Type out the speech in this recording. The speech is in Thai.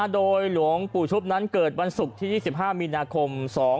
โดยหลวงปู่ชุบนั้นเกิดวันศุกร์ที่๒๕มีนาคม๒๕๖